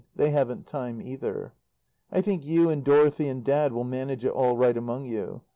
They haven't time, either. I think you and Dorothy and Dad will manage it all right among you.